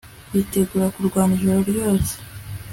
bitegura kurwana ijoro ryose